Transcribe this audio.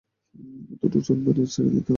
দুটো চড় মেরেই ছেড়ে দিত আমাকে।